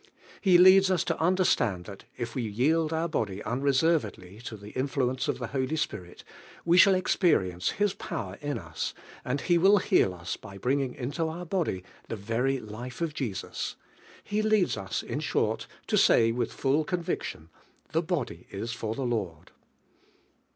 He leads us to understand that M we yield our body unreservedly to the influence of the Holy Spirit, we shall experience His power in us, and tie will heal us by bringing into our body the very life of Jesus; He leads us, in short, to say with full conviction, "The bmJy is for the Lord."